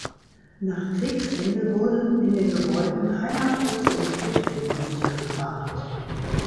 Nach Kriegsende wurden in den Gebäuden Heimatlose und Flüchtlinge untergebracht.